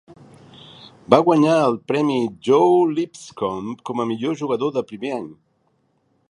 Va guanyar el premi Joe Lipscomb com a millor jugador de primer any.